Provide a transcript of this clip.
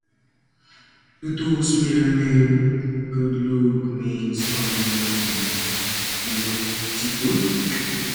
Tootoo's middle name, "Kudluk", means "thunder" in Inuktitut.